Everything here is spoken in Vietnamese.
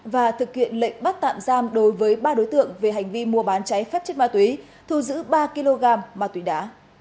và thực hiện lệnh bắt tạm giam đối với ba đối tượng về hành vi mua bán cháy phép chất ma túy thu giữ ba kg ma túy đá